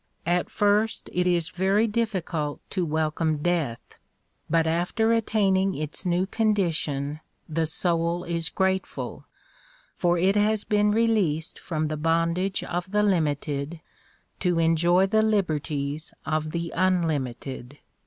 At first it is very difficult to welcome death, but after attaining its new condition the soul is grateful for it has been released from the bondage of the limited, to enjoy the liberties of the unlimited.